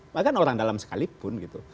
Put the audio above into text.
bahkan orang dalam sekalipun gitu